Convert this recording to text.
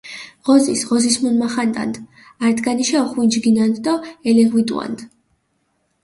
ღოზის, ღოზის მუნმახანტანდჷ, ართგანიშე ოხვინჯგინანდჷ დო ელეღვიტუანდჷ.